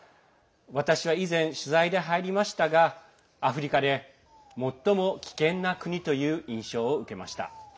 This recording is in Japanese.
私は以前、取材で入りましたがアフリカで最も危険な国という印象を受けました。